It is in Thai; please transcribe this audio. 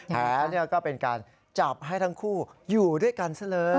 แผลก็เป็นการจับให้ทั้งคู่อยู่ด้วยกันซะเลย